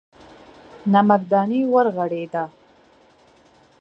نمکدانۍ ورغړېده.